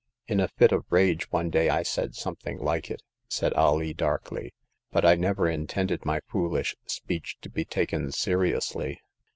"•In a fit of rage one day I said something Hke it," said Alee, darkly; but I never intended my foolish speech to be taken seriously.